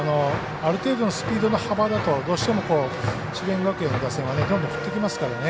ある程度のスピードの幅だとどうしても智弁学園の打線はどんどん振ってきますからね。